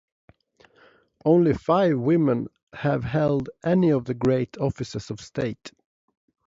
Only five women have held any of the Great Offices of State.